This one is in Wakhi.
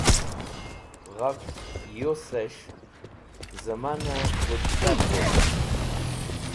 Ghafch Yuses̃h Zẽmane Khudsar gok̃ht